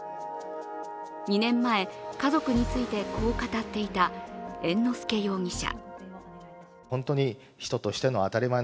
２年前、家族についてこう語っていた猿之助容疑者。